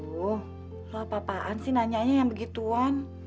aduh lo apa apaan sih nanyanya yang begituan